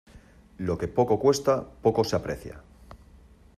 Lo que poco cuesta poco se aprecia.